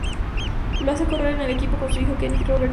La hace correr en su equipo con su hijo Kenny Roberts Jr.